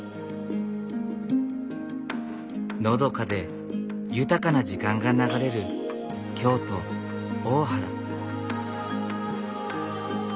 のどかで豊かな時間が流れる京都・大原。